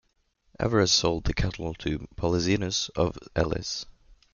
Everes sold the cattle to Polyxenus of Elis.